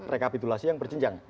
rekapitulasi yang berjinjang